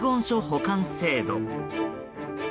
書保管制度。